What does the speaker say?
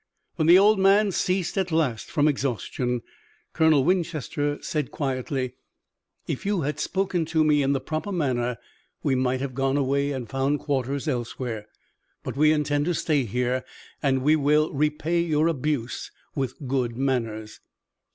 When the old man ceased at last from exhaustion Colonel Winchester said quietly: "If you had spoken to me in the proper manner we might have gone away and found quarters elsewhere. But we intend to stay here and we will repay your abuse with good manners."